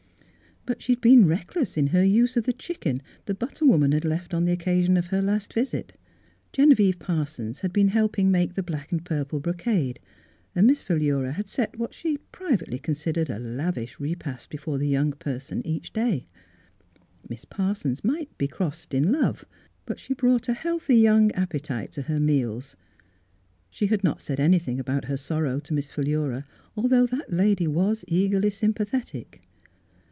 But she had been reckless in her use of the chicken the butter woman had left on the occasion of her last visit. Genevieve Parsons had been helping make the black and purple brocade, and Miss Philura had set what she privately considered a lavish repast before the young person each dsij. Miss Parsons might be crossed in love, but she brought a healthy young appetite to her meals, She had not said anything about her sorrow to Miss Philura, al though that lady was eagerly sympa thetic.